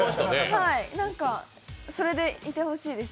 なんかそれでいてほしいです。